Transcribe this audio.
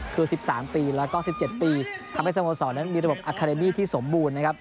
คือสิบสามปีแล้วก็สิบเจ็ดปีทำให้สโมสรนั้นมีระบบที่สมบูรณ์นะครับ